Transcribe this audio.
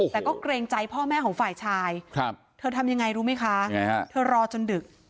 แต่ก็เกรงใจพ่อแม่ของฝ่ายชายเธอทำยังไงรู้ไหมคะเธอรอจนดึก